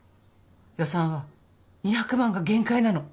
予算は２００万が限界なの。